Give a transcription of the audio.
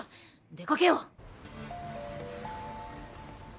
出掛けよう！